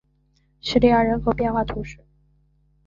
伊叙人口变化图示